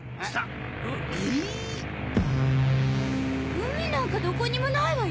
海なんかどこにもないわよ。